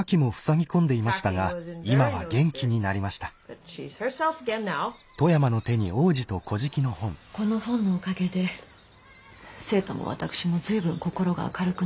Ｔｈａｎｋｙｏｕ．この本のおかげで生徒も私も随分心が明るくなりました。